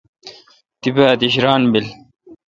تیپہ اتیش ران بل۔